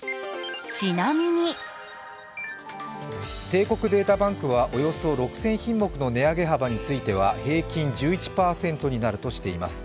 帝国データバンクはおよそ６０００品目の値上げ幅については平均１１％になるとしています。